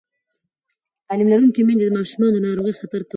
تعلیم لرونکې میندې د ماشومانو د ناروغۍ خطر کم ساتي.